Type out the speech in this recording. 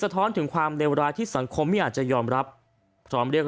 ท้อนถึงความเลวร้ายที่สังคมไม่อาจจะยอมรับพร้อมเรียก